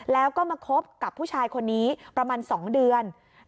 แล้วก็มาคบกับผู้ชายคนนี้ประมาณ๒เดือน